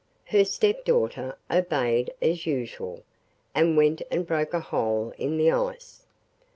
Her stepdaughter obeyed as usual, and went and broke a hole in the ice.